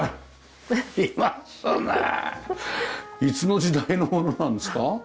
いつの時代のものなんですか？